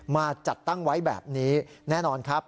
มาจัดตั้งไว้แบบนี้แน่นอนครับ